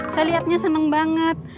saya liatnya seneng banget